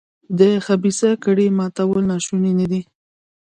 د خبیثه کړۍ ماتول ناشوني نه دي.